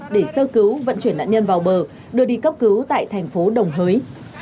để sơ cứu vận chuyển nạn nhân vào bờ đưa đi cấp cứu tại thành phố đồng hới